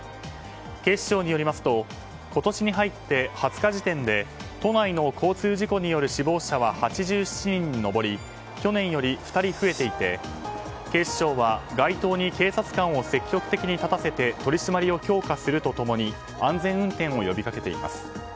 警視庁によりますと今年に入って２０日時点で都内の交通事故による死亡者は８７人に上り去年より２人増えていて警視庁は街頭に警察官を積極的に立たせて取り締まりを強化すると共に安全運転を呼び掛けています。